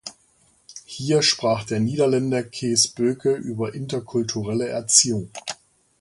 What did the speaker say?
Hier sprach der Niederländer Kees Boeke über interkulturelle Erziehung.